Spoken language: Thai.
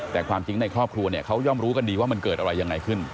แต่ความจริงในครอบครัวเนี่ยเขาย่อมรู้กันดีว่ามันเกิดอะไรยังไงขึ้น